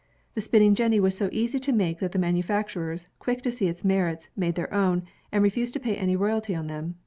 The spinning jenny was so easy to make that the manufacturers, quick to see its merits, made their own, and refused to pay any royalty on them.